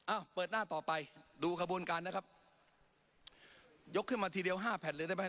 อ่ะเปิดหน้าต่อไปดูขบวนการนะครับยกขึ้นมาทีเดียวห้าแผ่นเลยได้ไหม